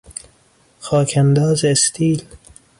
خاک انداز استیل